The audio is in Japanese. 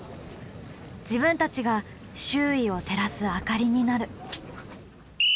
自分たちが周囲を照らす明かりになる。